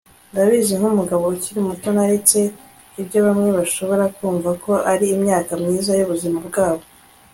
ndabizi nkumugabo ukiri muto naretse ibyo bamwe bashobora kumva ko ari imyaka myiza yubuzima bwabo